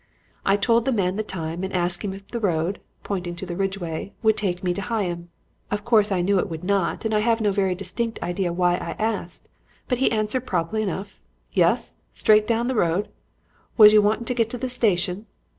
"I told the man the time and asked him if the road pointing to the ridgway would take me to Higham. Of course I knew it would not and I have no very distinct idea why I asked. But he answered promptly enough, 'Yus. Straight down the road. Was you wantin' to get to the station?'